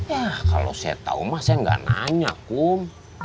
yah kalau saya tahu mah saya gak nanya kum